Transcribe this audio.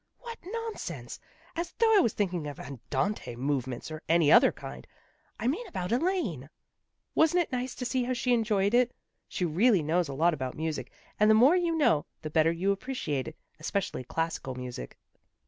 " What nonsense! As though I was thinking of andante move ments, or any other kind. I mean about Elaine." " Wasn't it nice to see how she enjoyed it? She really knows a lot about music, and the more you know, the better you appreciate it, especially classical music."